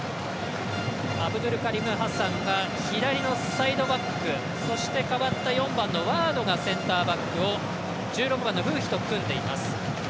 アブドゥルカリム・ハサンが左のサイドバックそして代わった４番のワアドがセンターバックを１６番のフーヒと組んでいます。